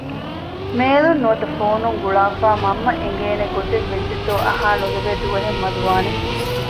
މޭލުން ނުވަތަ ފޯނުން ގުޅާފައި މަންމަ އެނގޭނެ ގޮތެއް ވެއްޖެތޯ އަހައިނުލެވޭ ދުވަހެއް މަދުވާނެ